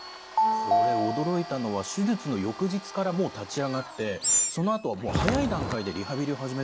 これ驚いたのは手術の翌日からもう立ち上がってそのあとはもう早い段階でリハビリを始めるんですね。